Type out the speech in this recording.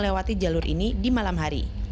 jangan lupa untuk melewati jalur ini di malam hari